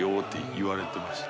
言われてました。